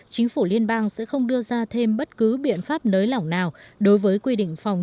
chính phủ liên bang sẽ không đưa ra thêm bất cứ biện pháp nới lỏng nào đối với quy định phòng